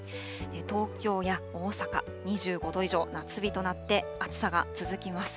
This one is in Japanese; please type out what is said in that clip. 東京や大阪、２５度以上、夏日となって、暑さが続きます。